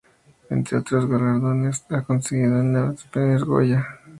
Entre otros galardones, ha conseguido el en la de los Premios Goya.